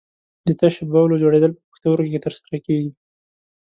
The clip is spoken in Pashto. د تشو بولو جوړېدل په پښتورګو کې تر سره کېږي.